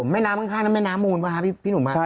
แม่น้ำข้างนั้นแม่น้ำมูลป่ะคะพี่หนุ่ม